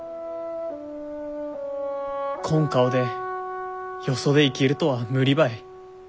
こん顔でよそで生きるとは無理ばい。